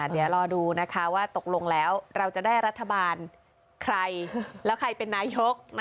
เดี๋ยวรอดูนะคะว่าตกลงแล้วเราจะได้รัฐบาลใครแล้วใครเป็นนายก